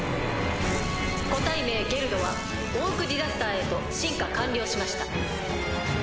個体名ゲルドはオーク・ディザスターへと進化完了しました。